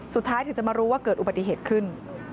สุดท้ายถึงจะมารู้ว่าเกิดอุบัติเหตุขึ้น